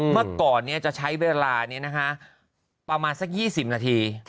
เมื่อก่อนจะใช้เวลานี้นะคะประมาณสัก๒๐นาที